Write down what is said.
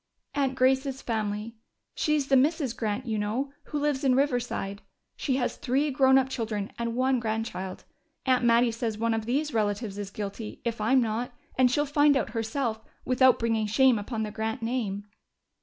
"Aunt Grace's family. She's the Mrs. Grant, you know, who lives in Riverside. She has three grown up children and one grandchild. Aunt Mattie says one of these relatives is guilty, if I'm not, and she'll find out herself, without bringing shame upon the Grant name."